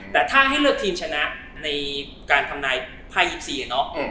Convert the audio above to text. แต่ถ้าให้เลือกทีมชนะในการทำนายภาย๒๔อะเนาะ